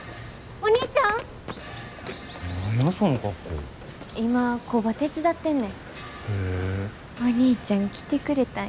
お兄ちゃん来てくれたんやな。